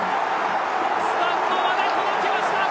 スタンドまで届きました。